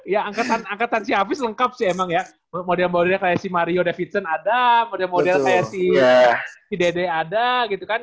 ya angkatan si hafiz lengkap sih emang ya model modelnya kayak si mario davidson ada model model psi idede ada gitu kan